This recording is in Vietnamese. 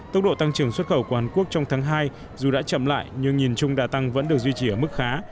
tốc độ tăng trưởng xuất khẩu của hàn quốc trong tháng hai dù đã chậm lại nhưng nhìn chung đã tăng vẫn được duy trì ở mức khá